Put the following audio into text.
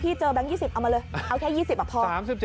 เจอแบงค์๒๐เอามาเลยเอาแค่๒๐อ่ะพอ